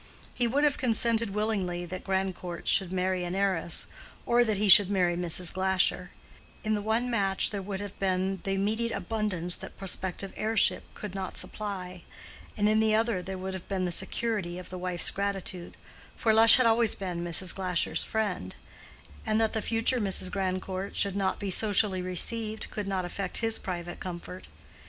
He would have consented willingly that Grandcourt should marry an heiress, or that he should marry Mrs. Glasher: in the one match there would have been the immediate abundance that prospective heirship could not supply, in the other there would have been the security of the wife's gratitude, for Lush had always been Mrs. Glasher's friend; and that the future Mrs. Grandcourt should not be socially received could not affect his private comfort.